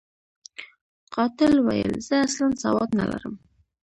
قاتل ویل، زه اصلاً سواد نلرم.